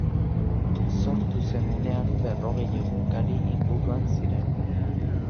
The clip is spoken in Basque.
Sortu zen unean berrogei egunkari inguruan ziren.